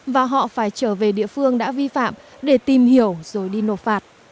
và họ phải trở về địa phương đã vi phạm để tìm hiểu rồi đi nộp phạt